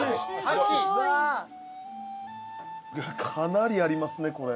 かなりありますねこれ。